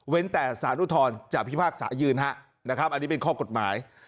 แต่สารอุทธรณ์จะพิพากษายืนฮะนะครับอันนี้เป็นข้อกฎหมาย